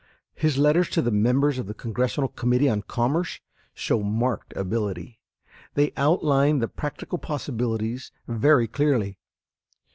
His letters to the members of the Congressional Committee on Commerce show marked ability. They outline the practical possibilities very clearly.